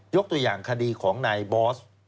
ตัวอย่างคดีของนายบอส